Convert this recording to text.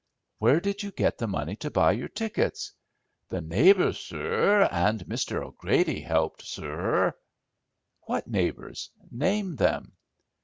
"Where did you get the money to buy your tickets?" "The neighbors, sur, and Mr. O'Grady helped, sur." "What neighbours? Name them."